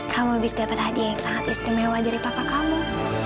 kamu bisa dapat hadiah yang sangat istimewa dari papa kamu